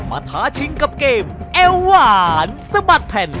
ท้าชิงกับเกมเอวหวานสะบัดแผ่น